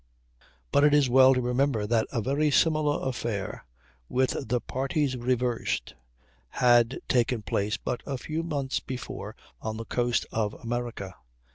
But it is well to remember that a very similar affair, with the parties reversed, had taken place but a few months before on the coast of America.